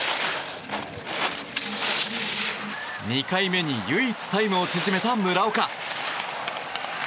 ２回目に唯一タイムを縮めた村岡。